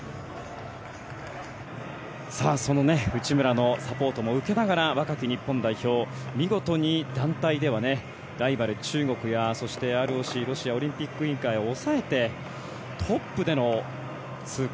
その内村のサポートも受けながら若き日本代表見事に団体ではライバル、中国やそして、ＲＯＣ・ロシアオリンピック委員会を抑えて、トップでの通過。